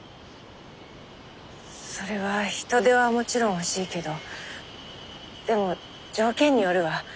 それは人手はもちろん欲しいけどでも条件によるわ。